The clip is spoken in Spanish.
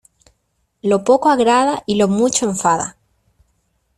Lo poco agrada y lo mucho enfada.